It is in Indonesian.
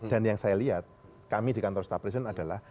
dan yang saya lihat kami di kantor staff president adalah